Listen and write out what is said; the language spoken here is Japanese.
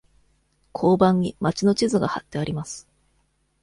交番に町の地図がはってあります。